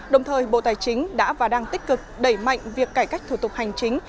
đồng thời bộ tài chính đã và đang tích cực đẩy mạnh việc cải cách thủ tục hành chính